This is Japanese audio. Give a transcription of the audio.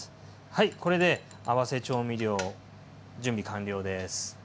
はいこれで合わせ調味料準備完了です。